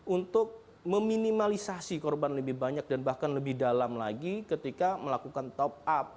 untuk meminimalisasi korban lebih banyak dan bahkan lebih dalam lagi ketika melakukan top up